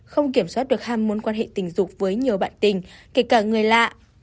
không kiểm soát được ham muốn quan hệ tình dục với nhiều bạn tình kể cả người lạ